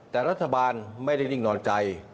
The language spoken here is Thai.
แต่รัฐบาลไม่ได้นิ่งนอนใจ